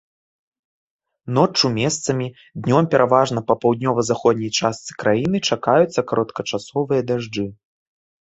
Ноччу месцамі, днём пераважна па паўднёва-заходняй частцы краіны чакаюцца кароткачасовыя дажджы.